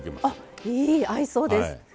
あっいい合いそうです。